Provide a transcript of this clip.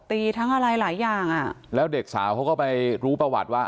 แล้วเด็กสาวเขาก็ไปดูภาวะว่าแล้วเด็กสาวเขาก็ไปดูภาวะว่า